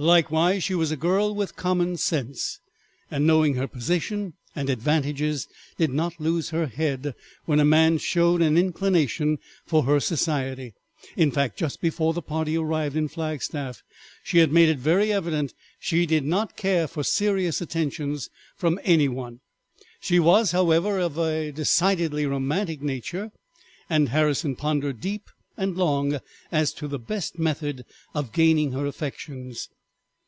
Likewise, she was a girl with common sense, and knowing her position and advantages did not lose her head when a man showed an inclination for her society. In fact, just before the party arrived in Flagstaff she had made it very evident that she did not care for serious attentions from any one. She was, however, of a decidedly romantic nature, and Harrison pondered deep and long as to the best method of gaining her affections.